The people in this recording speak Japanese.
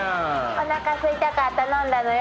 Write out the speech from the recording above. おなかすいたから頼んだのよ。